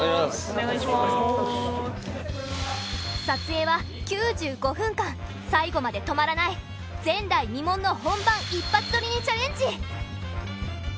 撮影は９５分間最後まで止まらない前代未聞の本番一発撮りにチャレンジ。